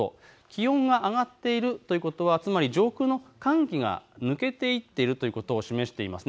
気温が上がっているということは上空の寒気が抜けていっているということを示しています。